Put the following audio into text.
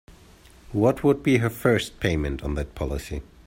What would be her first payment on that policy?